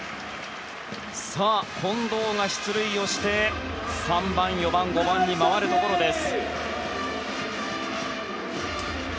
近藤が出塁をして３番、４番、５番に回るところです。